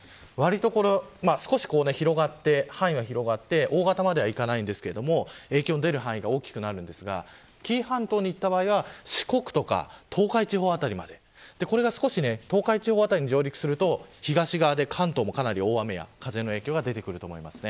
少し広がって大型まではいきませんが影響の出る範囲が大きくなるんですが紀伊半島にいった場合は四国とか東海地方辺りまでこれが少し、東海地方辺りに上陸すると東側で関東もかなり大雨や風の影響が出てくると思います。